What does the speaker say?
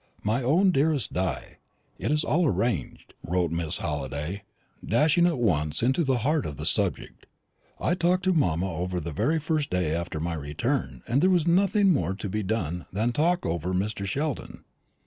"MY OWN DEAREST DI, It is all arranged," wrote Miss Halliday, dashing at once into the heart of the subject. "I talked mamma over the very first day after my return, and then there was nothing more to be done than to talk over Mr. Sheldon.